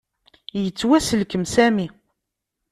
Yettwasselkem Sami.